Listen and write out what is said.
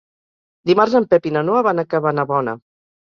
Dimarts en Pep i na Noa van a Cabanabona.